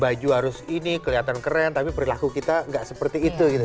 baju harus ini kelihatan keren tapi perilaku kita gak seperti itu gitu